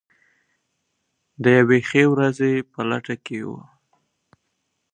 د یوې ښې ورځې په لټه کې یو.